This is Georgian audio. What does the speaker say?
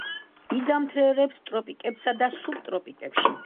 იზამთრებს ტროპიკებსა და სუბტროპიკებში.